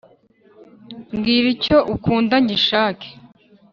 mbwira icyo ukunda ngishake